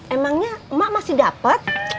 emangnya mak masih dapat